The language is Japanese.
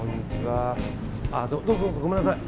どうぞ、どうぞ、ごめんなさい。